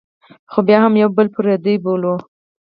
خو بیا هم یو بل پردي بولو.